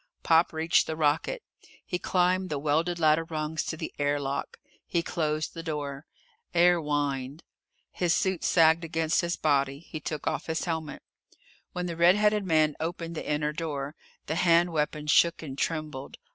Pop reached the rocket. He climbed the welded ladder rungs to the air lock. He closed the door. Air whined. His suit sagged against his body. He took off his helmet. When the red headed man opened the inner door, the hand weapon shook and trembled.